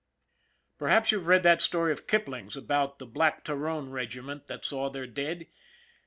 Perhaps you've read that story of Kipling's about the Black Tyrone Regiment that saw their dead?